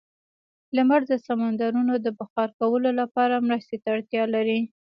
لمر د سمندرونو د بخار کولو لپاره مرستې ته اړتیا لري.